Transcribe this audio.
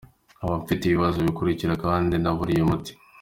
Nkaba mfite ibi bibazo bikurikira kandi naburiye umuti.